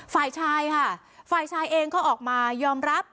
ฝ่ายชายค่ะฝ่ายชายเองก็ออกมายอมรับ